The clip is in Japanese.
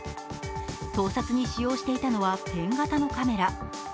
盗撮に使用していたのはペン型のカメラ。